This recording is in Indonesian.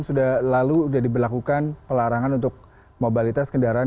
sudah lalu sudah diberlakukan pelarangan untuk mobilitas kendaraan